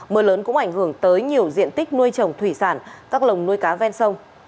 mưa lớn cũng ảnh hưởng tới nhiều diện tích nuôi trồng thủy sản các lồng nuôi cá ven sông